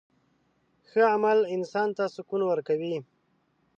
ښه عمل انسان ته سکون ورکوي.